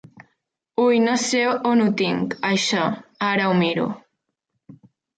Ui no sé on ho tinc, això, ara ho miro.